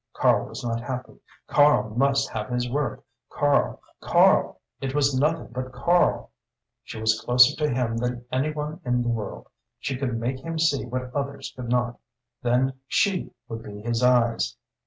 Karl was not happy Karl must have his work. Karl Karl it was nothing but Karl. She was closer to him than any one in the world. She could make him see what others could not. Then she would be his eyes.